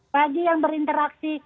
bagi yang berinteraksi